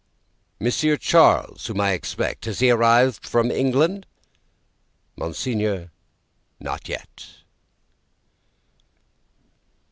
"Monsieur Charles, whom I expect; is he arrived from England?" "Monseigneur, not yet."